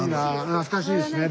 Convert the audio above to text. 懐かしいですね。